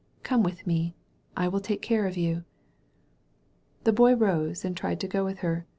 Come with me. I will take care of you." The Boy rose and tried to go with her.